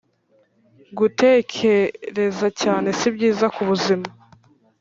gutekereza cyane si byiza kubuzima